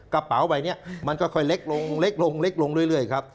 กระเป๋าใบนี้มันก็ค่อยเล็กลงเล็กลงเล็กลงเรื่อยครับ